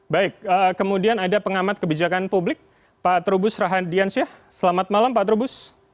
baik kemudian ada pengamat kebijakan publik pak trubus rahadiansyah selamat malam pak trubus